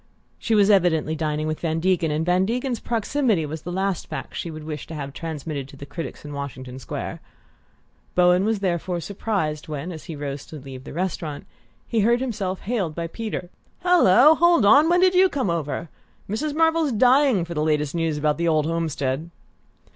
She was evidently dining with Van Degen, and Van Degen's proximity was the last fact she would wish to have transmitted to the critics in Washington Square. Bowen was therefore surprised when, as he rose to leave the restaurant, he heard himself hailed by Peter. "Hallo hold on! When did you come over? Mrs. Marvell's dying for the last news about the old homestead."